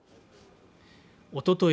おととい